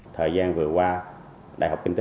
thời gian vừa qua đại học kinh tế